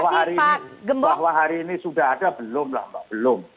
bahwa hari ini sudah ada belum lah mbak belum